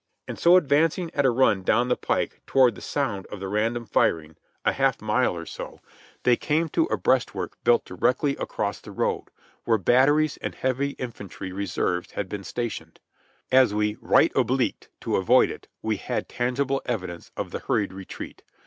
And so advancing at a run down the pike toward the sound of the random firing, — a half mile or so, — 64 JOHNNY REB AND BIIvLY YANK they came to a breastwork built directh across the road, where batteries and heavy infantry reserves had been stationed. As we "right obHqued" to avoid it, we had tangible evidence of the hurried retreat.